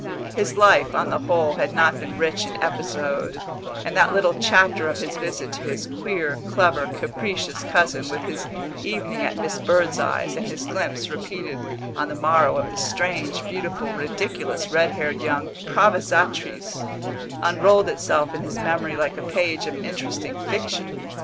His life, on the whole, had not been rich in episode, and that little chapter of his visit to his queer, clever, capricious cousin, with his evening at Miss Birdseye's, and his glimpse, repeated on the morrow, of the strange, beautiful, ridiculous, red haired young improvisatrice, unrolled itself in his memory like a page of interesting fiction.